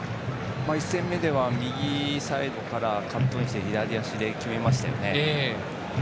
１戦目では右サイドからカットインして左足で決めましたよね。